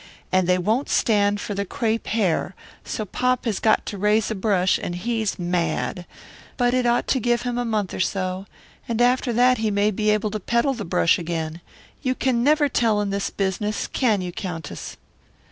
And they won't stand for the crepe hair, so pop has got to raise a brush and he's mad. But it ought to give him a month or so, and after that he may be able to peddle the brush again; you can never tell in this business, can you, Countess?"